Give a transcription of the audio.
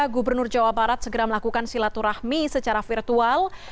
gubernur jawa barat segera melakukan silaturahmi secara virtual